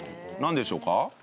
何でしょうか？